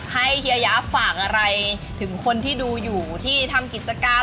เฮียยะฝากอะไรถึงคนที่ดูอยู่ที่ทำกิจการ